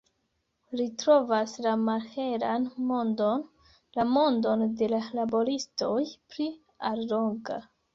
Li trovas la malhelan mondon, la mondon de la laboristoj, pli alloga.